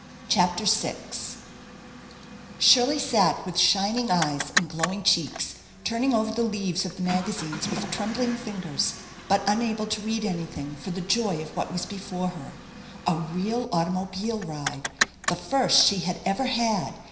CHAPTER VI SHIRLEY sat with shining eyes and glowing cheeks, turn ing over the leaves of the magazines with trembling fingers, but unable to read anything, for the joy of what was before her. A real automobile ride! The first she had ever had!